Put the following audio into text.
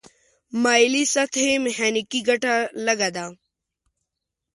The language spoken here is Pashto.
مایلې سطحې میخانیکي ګټه لږه ده.